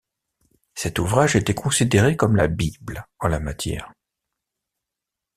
Cet ouvrage était considéré comme la Bible en la matière.